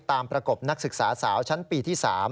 ประกบนักศึกษาสาวชั้นปีที่๓